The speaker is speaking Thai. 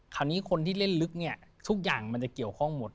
คนที่เล่นลึกเนี่ยทุกอย่างมันจะเกี่ยวข้องหมด